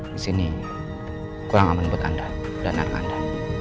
di sini kurang aman buat anda dan anak anda